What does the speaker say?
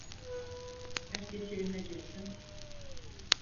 Herkes yerine geçsin.